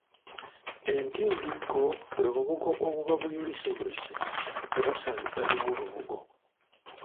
Entindiggo bwe bubugo obuba buyuliseyulise bwe basala ebbali w’olubugo.